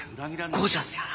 ゴージャスやな。